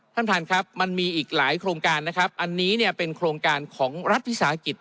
ท่านท่านครับมันมีอีกหลายโครงการนะครับอันนี้เนี่ยเป็นโครงการของรัฐวิสาหกิจ